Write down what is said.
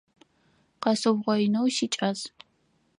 Къэсыугъоинэу сикӏас.